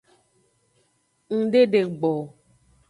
Ng de degbo o.